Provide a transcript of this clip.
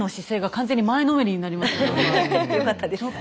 よかったです。